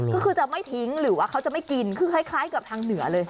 ก็คือจะไม่ทิ้งหรือว่าเขาจะไม่กินคือคล้ายกับทางเหนือเลย